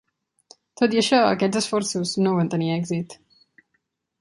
Tot i això, aquests esforços no van tenir èxit.